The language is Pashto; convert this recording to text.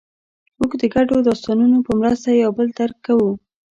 موږ د ګډو داستانونو په مرسته یو بل درک کوو.